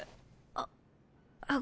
あっあっ